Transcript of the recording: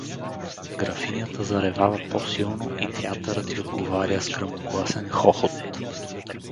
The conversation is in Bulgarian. Графинята заревава по-силно и театърът й отговаря с гръмогласен хохот.